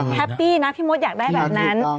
แฮปปี้นะพี่มดอยากได้แบบนั้น